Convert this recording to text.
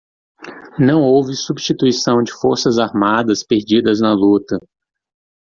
Não houve substituição de forças armadas perdidas na luta.